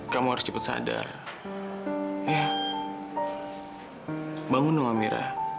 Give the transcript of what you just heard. kamu harus cepat sadar